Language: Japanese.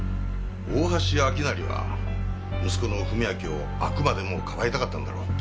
大橋明成は息子の史明をあくまでもかばいたかったんだろう。